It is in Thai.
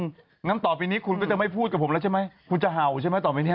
งั้นต่อไปนี้คุณก็จะไม่พูดกับผมแล้วใช่ไหมคุณจะเห่าใช่ไหมต่อไปเนี่ย